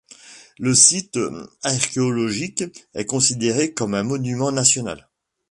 Le site archéologique est considéré comme un Monument national.